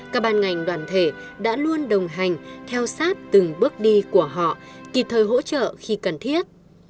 các ban ngành đoàn thể đã luôn đồng hành theo sát từng bước đi của họ kịp thời hỗ trợ khi cần thiết